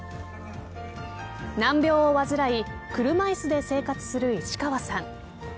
難病を患い車椅子で生活する市川さん。